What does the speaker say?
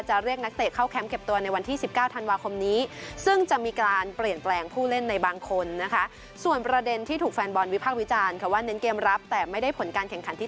จะเรียกนักเตะเข้าแคมป์เก็บตัวในวันที่๑๙ธันวาคมนี้